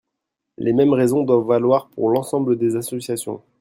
Les mêmes raisons doivent valoir pour l’ensemble des associations.